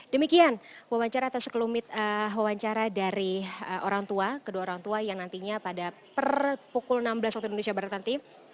demikian wawancara atau sekelumit wawancara dari orang tua kedua orang tua yang nantinya pada per pukul enam belas waktu indonesia barat nanti